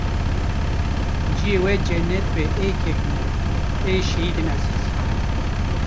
ciyê we cennet be ey kekno, ey şehîdên ezîz.